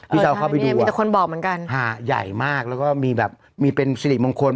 พี่เจ้าเข้าไปดูอะฮ่าใหญ่มากแล้วก็มีแบบมีเป็นสิริมงคล